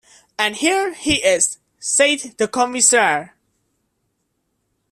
"And here he is," said the Commissaire.